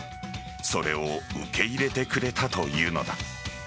それを受け入れてくれたというのだ。